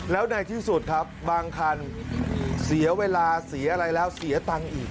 แล้วในที่สุดครับบางคันเสียเวลาเสียอะไรแล้วเสียตังค์อีก